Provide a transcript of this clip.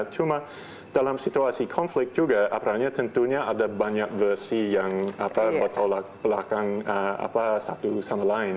cuma dalam situasi konflik juga apalagi tentunya ada banyak versi yang bertolak belakang satu sama lain